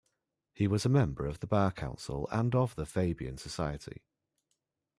He was a member of the Bar Council and of the Fabian Society.